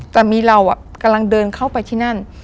แต่มีเรากำลังเดินเข้าไปที่นั่น